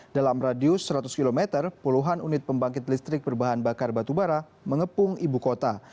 dalam radius seratus km puluhan unit pembangkit listrik berbahan bakar batubara mengepung ibu kota